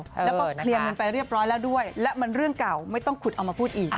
แล้วก็เคลียร์เงินไปเรียบร้อยแล้วด้วยและมันเรื่องเก่าไม่ต้องขุดเอามาพูดอีก